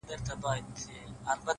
هره لاسته راوړنه خپل وخت غواړي